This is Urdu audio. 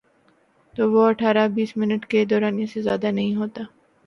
تو وہ اٹھارہ بیس منٹ کے دورانیے سے زیادہ نہیں ہوتا۔